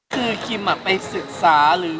คือคิมไปศึกษาหรือ